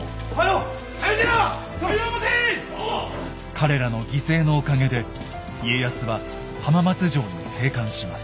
彼らの犠牲のおかげで家康は浜松城に生還します。